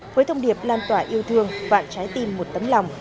với thông điệp lan tỏa yêu thương vạn trái tim một tấm lòng